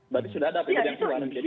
berarti sudah ada apbd yang kurang